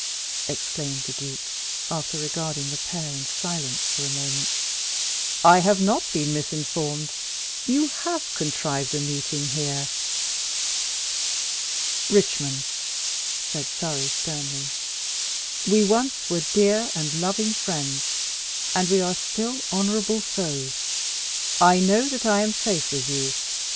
exclaimed the duke, after regarding the pair in silence for a moment, "I have not been misinformed. You have contrived a meeting here." "Richmond," said Surrey sternly, "we once were dear and loving friends, and we are still honourable foes. I know that I am safe with you.